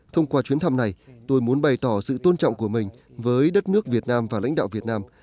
thông qua chuyến thăm này tôi muốn bày tỏ sự tôn trọng của mình với đất nước việt nam và lãnh đạo việt nam